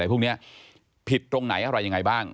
พวกนี้ผิดตรงไหนอะไรยังไงบ้าง